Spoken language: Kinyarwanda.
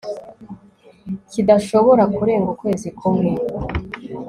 kidashobora kurenga ukwezi kumwe